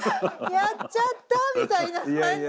「やっちゃった！」みたいな感じで。